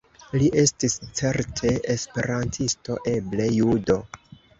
Li estis certe esperantisto, eble judo.